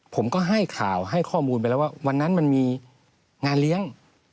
ผมก็ให้ข่าวให้ข้อมูลไปแล้วว่าวันนั้นมันมีงานเลี้ยง